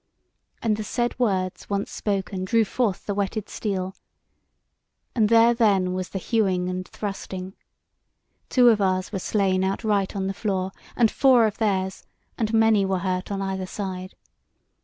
And the said words once spoken drew forth the whetted steel; and there then was the hewing and thrusting! Two of ours were slain outright on the floor, and four of theirs, and many were hurt on either side.